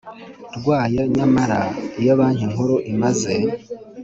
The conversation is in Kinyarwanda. rwayo Nyamara iyo Banki Nkuru imaze